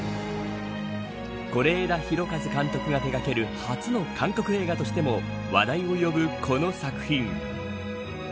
是枝裕和監督が手掛ける初の韓国映画としても話題を呼ぶこの作品。